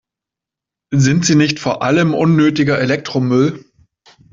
Sind sie nicht vor allem unnötiger Elektromüll?